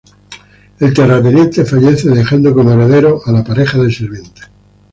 El terrateniente fallece, dejando como herederos a la pareja de sirvientes.